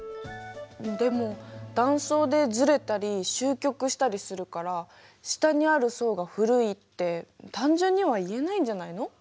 でも断層でずれたりしゅう曲したりするから下にある層が古いって単純には言えないんじゃないの？